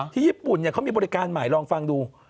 ที่ญี่ปุ่นเขามีบริการใหม่ลองฟังดู